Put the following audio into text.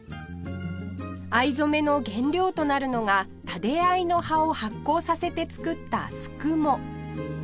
藍染めの原料となるのがタデ藍の葉を発酵させて作ったすくも